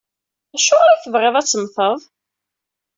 Acuɣer i tebɣiḍ ad temmteḍ?